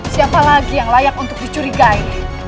siapa lagi yang layak untuk dicurigai